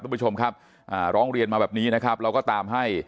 คุณผู้ชมครับร้องเรียนมาแบบนี้นะครับเราก็ตามให้